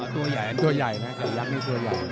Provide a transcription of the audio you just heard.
ตัวใหญ่ตัวใหญ่นะแต่ยักษ์นี่ตัวใหญ่